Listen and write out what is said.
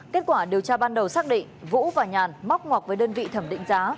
kết quả điều tra ban đầu xác định vũ và nhàn móc ngoc với đơn vị thẩm định giá